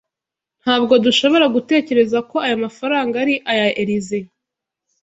Ntabwo dushobora gutekereza ko aya mafaranga ari aya Elyse.